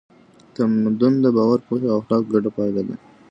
تمدن د باور، پوهې او اخلاقو ګډه پایله ده.